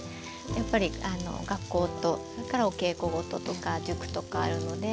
やっぱり学校とそれからお稽古事とか塾とかあるので。